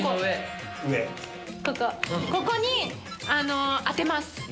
ここに当てます。